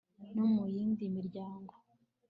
no mu yindi miryango